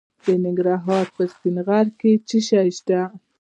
د ننګرهار په سپین غر کې څه شی شته؟